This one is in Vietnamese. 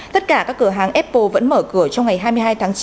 tất cả các cửa hàng apple vẫn mở cửa trong ngày hai mươi hai tháng chín